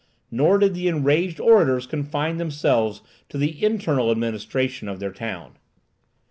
Nor did the enraged orators confine themselves to the internal administration of the town.